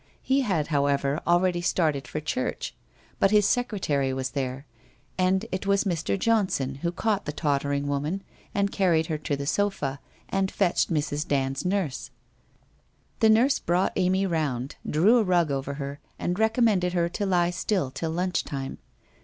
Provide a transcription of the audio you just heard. He had however already started for church, but his secretary was there, and it was Mr. Johnson who caught the tottering woman and carried her to the sofa, and fetched Mrs. Band's nurse. The nurse brought Amy round, drew a rug over her, and recommended her to lie still till lunch time.